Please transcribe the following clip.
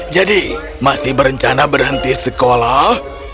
jadi kamu masih berencana untuk berhenti sekolah